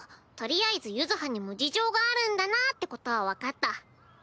とりあえず柚葉にも事情があるんだなぁってことは分かった。